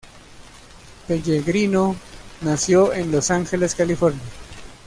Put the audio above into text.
Pellegrino nació en Los Ángeles, California.